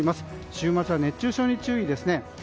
週末は熱中症に注意です。